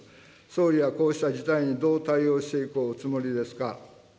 総理はこうした事態にどう対応していくおつもりですか。